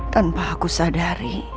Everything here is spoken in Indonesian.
tanpa aku sadari